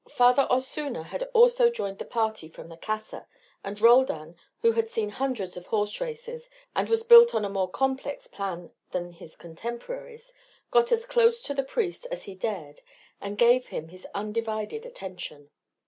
Father Osuna had also joined the party from the Casa, and Roldan, who had seen hundreds of horse races and was built on a more complex plan than his contemporaries, got as close to the priest as he dared and gave him his undivided attention.